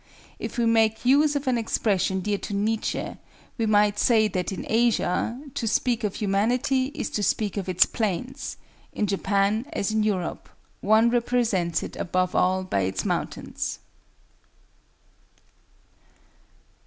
If we make use of an expression dear to Nietzsche, we might say that in Asia, to speak of humanity is to speak of its plains; in Japan as in Europe, one represents it above all by its mountains."